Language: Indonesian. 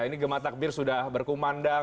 ini gemah takbir sudah berkumandang